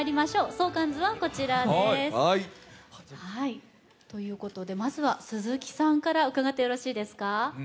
相関図はこちらですということでまずは鈴木さんから伺ってよろしいですか？